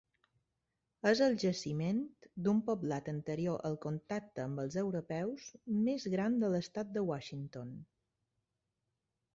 És el jaciment d'un poblat anterior al contacte amb els europeus més gran de l'estat de Washington.